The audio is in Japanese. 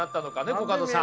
コカドさん。